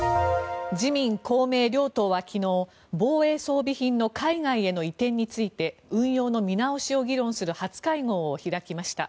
自民・公明両党は昨日防衛装備品の海外への移転について運用の見直しを議論する初会合を開きました。